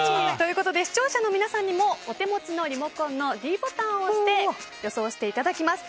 視聴者の皆さんにもお手持ちのリモコンのｄボタンを押して予想していただきます。